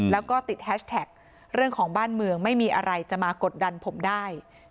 แล้วก็ติดแฮชแท็กเรื่องของบ้านเมืองไม่มีอะไรจะมากดดันผมได้